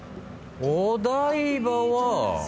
お台場は。